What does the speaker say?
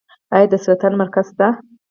آیا د سرطان مرکز شته؟